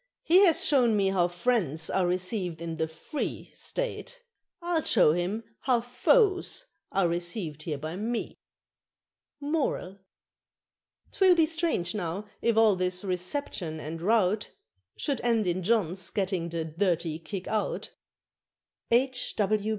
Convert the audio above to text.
He has shown me how friends are received in the Free State; I'll show him how foes are received here by me. MORAL. 'Twill be strange now if all this "reception" and rout Should end in John's getting the "dirty kick out." _W. H.